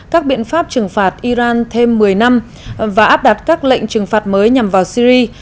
các biện pháp trừng phạt iran thêm một mươi năm và áp đặt các lệnh trừng phạt mới nhằm vào syri